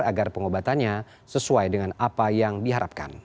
agar pengobatannya sesuai dengan apa yang diharapkan